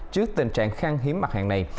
trước tình trạng khăn hiếm mặt hàng này